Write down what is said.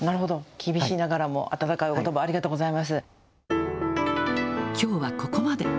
厳しいながらも、温かいおことば、きょうはここまで。